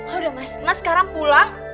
udah mas sekarang pulang